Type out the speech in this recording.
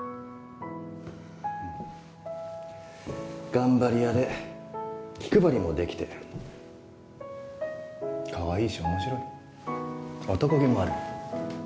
頑張り屋で気配りもできてかわいいし面白い男気もある。